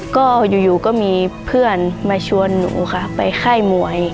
ก็อยู่ก็มีเพื่อนมาชวนหนูค่ะไปค่ายมวย